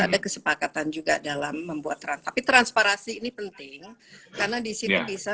ada kesepakatan juga dalam membuat transaksi transparansi ini penting karena disini bisa